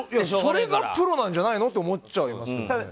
それがプロなんじゃないの？と思っちゃいますよね。